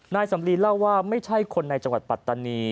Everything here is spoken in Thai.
นายสำลีเล่าว่าไม่ใช่คนในจังหวัดปัตตานี